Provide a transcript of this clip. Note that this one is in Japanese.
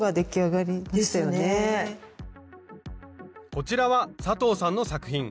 こちらは佐藤さんの作品。